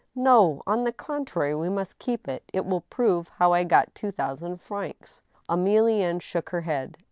No ; on the contrary, we must keep it. It will prove how I got two thousand francs." Emilienne shook her head.